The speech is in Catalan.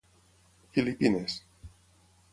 Filipines.